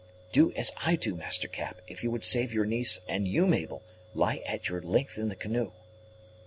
"Do as I do, Master Cap, if you would save your niece; and you, Mabel, lie at your length in the canoe."